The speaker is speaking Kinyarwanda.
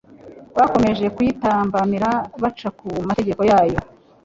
bakomeje kuyitambamira baca ku mategeko yayo